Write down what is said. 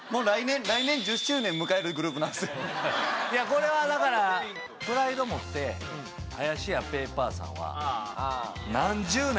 これはだからプライド持って林家ペーパーさんは何十年。